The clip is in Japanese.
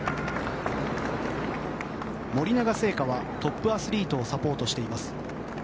森永製菓はトップアスリートをサポートしています。